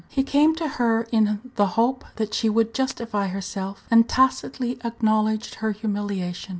He came to her in the hope that she would justify herself, and she tacitly acknowledged her humiliation.